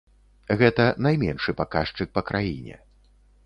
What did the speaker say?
Гэта найменшы паказчык па краіне.